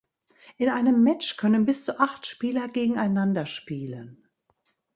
In einem Match können bis zu acht Spieler gegeneinander spielen.